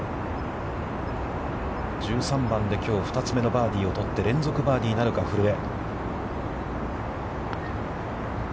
１３番できょう２つ目のバーディーをとって連続バーディーなるか、古江。